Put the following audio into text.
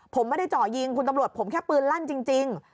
ผมไม่ได้เจาะยิงคุณตำรวจผมแค่ปืนลั่นจริง